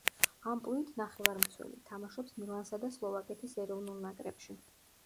ამპლუით ნახევარმცველი, თამაშობს მილანსა და სლოვაკეთის ეროვნულ ნაკრებში.